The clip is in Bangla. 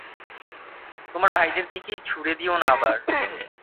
তোমার ভাইদের দিকেই ছুড়ে দিয়ো না আবার।